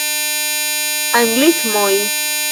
Anglismoj?